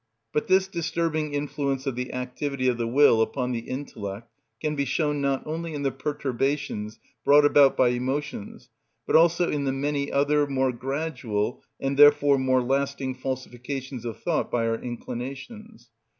But this disturbing influence of the activity of the will upon the intellect can be shown, not only in the perturbations brought about by emotions, but also in many other, more gradual, and therefore more lasting falsifications of thought by our inclinations.